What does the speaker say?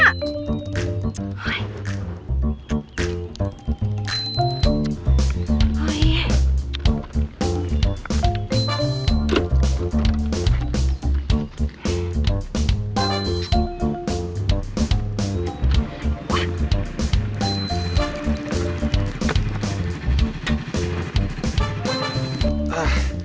อะไรวะ